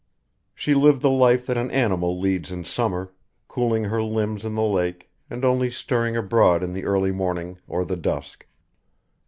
She lived the life that an animal leads in summer, cooling her limbs in the lake, and only stirring abroad in the early morning or the dusk.